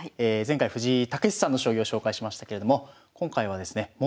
前回藤井猛さんの将棋を紹介しましたけれども今回はですね